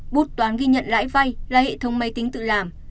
bút toán ghi nhận lãi vay là hệ thống máy tính tự làm